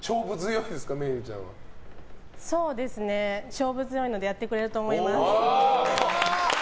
勝負強いのでやってくれると思います。